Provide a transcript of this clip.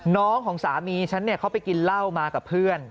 น้องของสามีฉันเนี่ยเขาไปกินเหล้ามากับเพื่อน